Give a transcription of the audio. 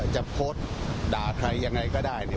จะโพสต์ด่าใครยังไงก็ได้